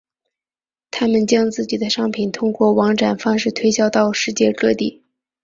他们将自己的商品通过网展方式推销到世界各地。